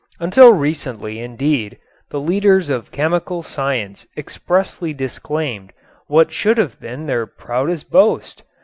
Until recently indeed the leaders of chemical science expressly disclaimed what should have been their proudest boast.